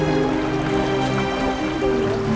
aku gak bisa hidup sendirian bunda